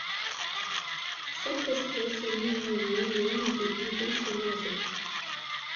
Cette espèce est nommée en l'honneur de Guido Chelazzi.